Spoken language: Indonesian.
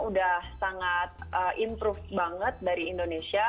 udah sangat improve banget dari indonesia